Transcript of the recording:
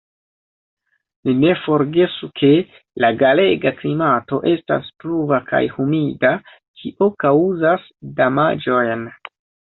Ni ne forgesu, ke la galega klimato estas pluva kaj humida, kio kaŭzas damaĝojn.